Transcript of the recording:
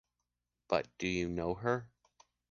But do you know her?